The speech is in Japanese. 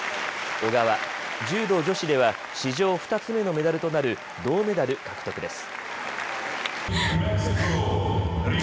小川、柔道女子では史上２つ目のメダルとなる銅メダル獲得です。